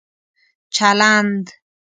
چلند